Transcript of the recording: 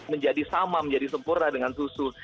menjadi sama menjadi sempurna dengan susu